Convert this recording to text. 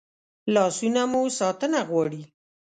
لاسونه مو ساتنه غواړي